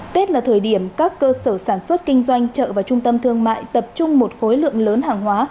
tết là thời điểm các cơ sở sản xuất kinh doanh chợ và trung tâm thương mại tập trung một khối lượng lớn hàng hóa